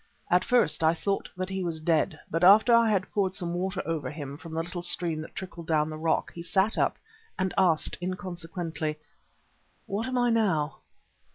At first I thought that he was dead, but after I had poured some water over him from the little stream that trickled down the rock, he sat up and asked inconsequently: "What am I now?"